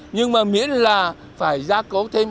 nhưng mà miễn là phải gia cố thêm